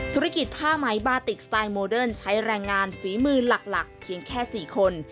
ธุรกิจผ้าไหมบาติกสไตล์โมเดิร์นใช้แรงงานฝีมือหลักเพียงแค่๔คน